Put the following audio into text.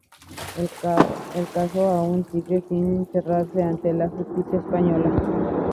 El caso aún sigue sin cerrarse ante la Justicia española.